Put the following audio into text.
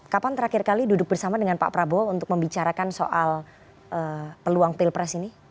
kapan terakhir kali duduk bersama dengan pak prabowo untuk membicarakan soal peluang pilpres ini